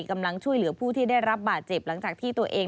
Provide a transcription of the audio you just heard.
กำลังช่วยเหลือผู้ที่ได้รับบาดเจ็บหลังจากที่ตัวเอง